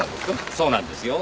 そうなんですよ。